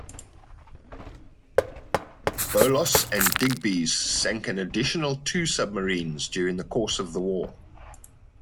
Bolos and Digbys sank an additional two submarines during the course of the war.